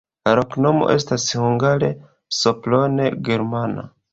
La loknomo estas hungare: Sopron-germana.